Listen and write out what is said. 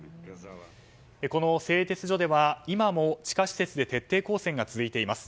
この製鉄所では今も地下施設で徹底抗戦が続いています。